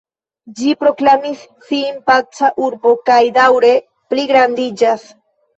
Ĝi proklamis sin paca urbo kaj daŭre pligrandiĝas.